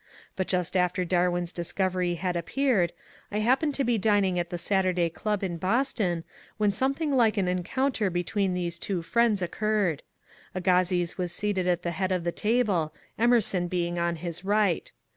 But just after Darwin's discovery had appeared, I happened to be dining at the Saturday Club in Boston, when something like an encoun ter between these two friends occurred. Agassiz was seated at the head of the table, Emerson being on his right.